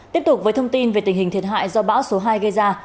tiếp tục với thông tin về tình hình thiệt hại do bão số hai gây ra